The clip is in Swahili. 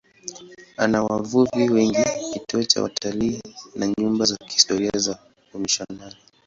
Una wavuvi wengi, kituo cha watalii na nyumba za kihistoria za wamisionari.